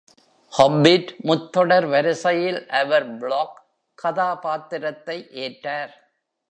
Hobbit முத்தொடர் வரிசையில் அவர் Bolg கதாபாத்திரத்தை ஏற்றார்.